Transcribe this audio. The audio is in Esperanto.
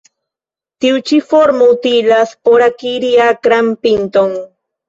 Tiu ĉi formo utilas por akiri akran pinton.